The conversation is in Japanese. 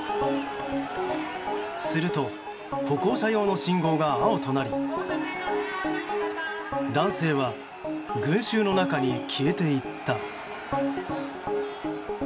すると歩行者用の信号が青となり男性は群衆の中に消えていった。